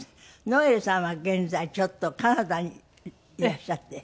ノエルさんは現在ちょっとカナダにいらっしゃって。